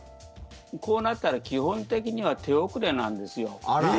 こうなったら基本的には手遅れなんですよ。